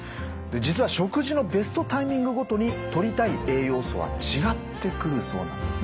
実は食事のベストタイミングごとにとりたい栄養素は違ってくるそうなんですね。